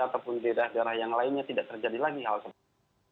ataupun di daerah daerah yang lainnya tidak terjadi lagi hal seperti itu